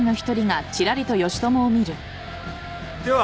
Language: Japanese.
では